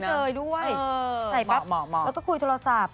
เชยด้วยใส่ปั๊บแล้วก็คุยโทรศัพท์